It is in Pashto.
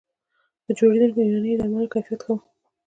د جوړېدونکو یوناني درملو کیفیت ښه و